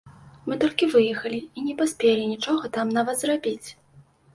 Мы толькі выехалі і не паспелі нічога там нават зрабіць.